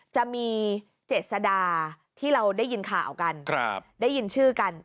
จะมีเจษดาที่เราได้ยินข่าวกันได้ยินชื่อกัน